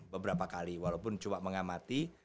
beberapa kali walaupun cuma mengamati